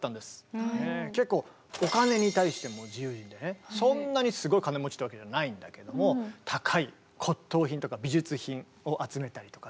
結構そんなにすごい金持ちってわけじゃないんだけども高い骨とう品とか美術品を集めたりとかね。